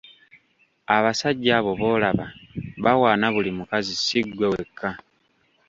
Abasajja abo b’olaba bawaana buli mukazi si ggwe wekka.